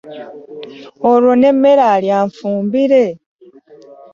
Olwo n’emmere alya nfumbire.